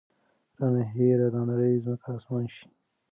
رانه هېره دا نړۍ ځمکه اسمان شي